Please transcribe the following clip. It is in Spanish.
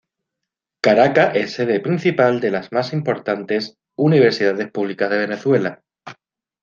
Caracas es sede principal de las más importantes universidades públicas de Venezuela.